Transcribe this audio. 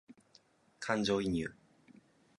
感情移入